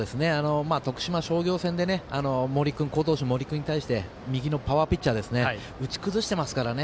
徳島商業戦で好投手、森君に対して右のパワーピッチャー打ち崩してますからね。